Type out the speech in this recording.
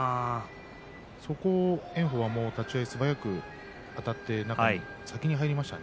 そこを炎鵬は立ち合い素早くあたって先に入りましたね。